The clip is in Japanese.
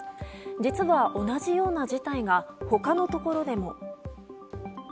実は同じような事態が他のところでも。